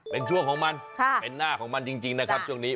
เป็นช่วงของมันเป็นหน้าของมันจริงนะครับช่วงนี้